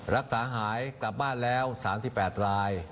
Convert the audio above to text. รักษาหายกลับบ้านแล้ว๓๘ราย